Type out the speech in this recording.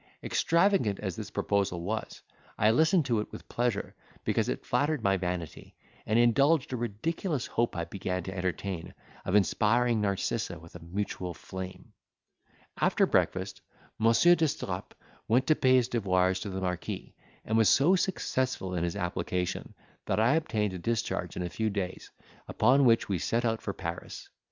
Extravagant as this proposal was, I listened to it with pleasure, because it flattered my vanity, and indulged a ridiculous hope I began to entertain of inspiring Narcissa with a mutual flame. After breakfast, Monsieur d'Estrapes went to pay his devoirs to the marquis, and was so successful in his application, that I obtained a discharge in a few days, upon which we set out for Paris.